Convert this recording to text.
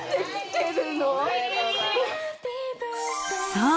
［そう。